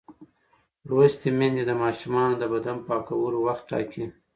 لوستې میندې د ماشومانو د بدن پاکولو وخت ټاکي.